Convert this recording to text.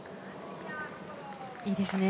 いいですね。